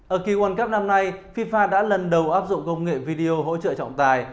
ở kỳ world cup năm nay fifa đã lần đầu áp dụng công nghệ video hỗ trợ trọng tài